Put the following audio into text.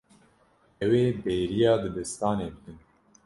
Ew ê bêriya dibistanê bikin.